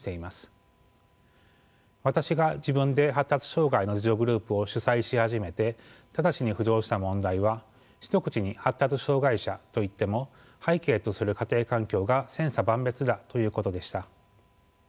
私が自分で発達障害の自助グループを主宰し始めて直ちに浮上した問題は一口に発達障害者と言っても背景とする家庭環境が千差万別だということでした。